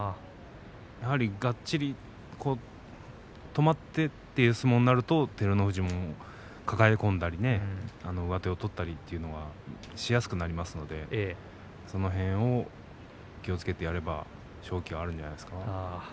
やはりがっちり止まってという相撲になると照ノ富士も抱え込んだり上手を取ったりというのをしやすくなりますのでその辺を気をつけてやれば勝機はあるんじゃないですか。